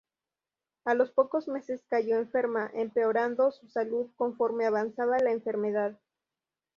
A los pocos meses cayó enferma, empeorando su salud conforme avanzaba la enfermedad.